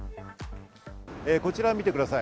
こちらを見てください。